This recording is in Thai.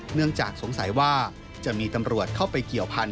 เนื่องจากสงสัยว่าจะมีตำรวจเข้าไปเกี่ยวพันธ